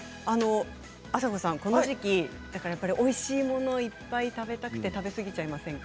あさこさん、この時期おいしいものいっぱい食べたくて食べ過ぎちゃいませんか？